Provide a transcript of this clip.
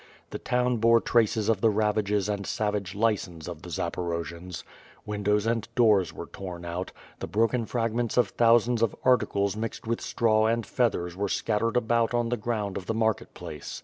The town bore traces of the ravages and savage license of the Zaporojians. Windows and doors were torn out, the broken fragments of thousands of articles mixed with straw and feathers were scattered about on the ground of the market place.